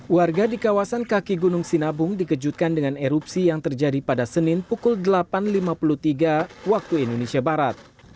warga di kawasan kaki gunung sinabung dikejutkan dengan erupsi yang terjadi pada senin pukul delapan lima puluh tiga waktu indonesia barat